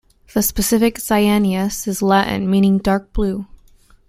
The specific "cyaneus" is Latin, meaning "dark-blue".